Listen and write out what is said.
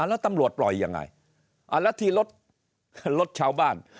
แล้วตำรวจปล่อยยังไงแล้วที่รถรถชาวบ้าน